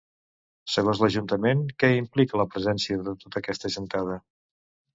Segons l'ajuntament, què implica la presència de tota aquesta gentada?